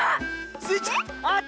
あっ！